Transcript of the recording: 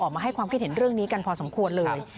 มาให้ความคิดเห็นเรื่องนี้กันพอสมควรเลย